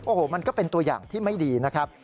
โอ้โหมันก็เป็นตัวอย่างที่ไม่ดีนะครับ